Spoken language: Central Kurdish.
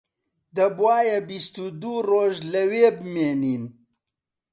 دەبوایە بیست و دوو ڕۆژ لەوێ بمێنین